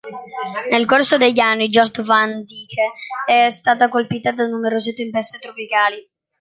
Nel corso degli anni Jost Van Dyke è stata colpita da numerose tempeste tropicali.